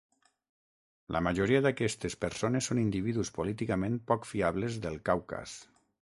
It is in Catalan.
La majoria d'aquestes persones són individus políticament poc fiables del Caucas.